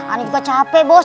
aneh juga capek bos